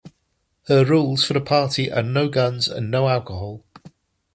Her rules for the party are no guns and no alcohol.